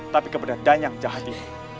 tapi kepada danyang jahat ini